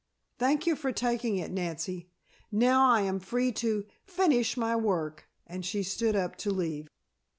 Thank you for taking it, Nancy. Now I am free to finish my work," and she stood up to leave.